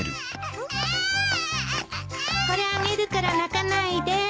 これあげるから泣かないで。